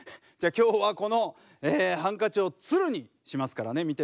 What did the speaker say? じゃあ今日はこのハンカチを鶴にしますからね。